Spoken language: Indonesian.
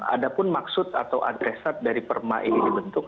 ada pun maksud atau adresat dari perma ini dibentuk